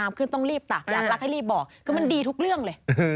อยากรักให้รีบบอกคือมันดีทุกเรื่องเลย